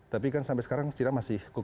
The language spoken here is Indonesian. tapi kan sampai sekarang setidaknya masih hidup